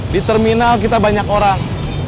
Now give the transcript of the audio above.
di terminal kita banyak orang